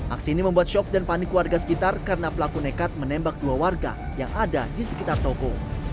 aksi ini membuat shock dan panik warga sekitar karena pelaku nekat menembak dua warga yang ada di sekitar toko